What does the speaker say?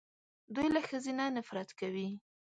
دوی له ښځې نه نفرت کوي